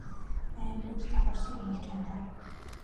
Ай мөн ч завхарсан юм болж байна даа.